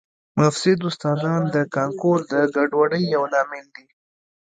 مفسد استادان د کانکور د ګډوډۍ یو لامل دي